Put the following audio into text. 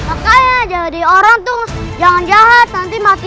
akan deg deg itu turnover tersebut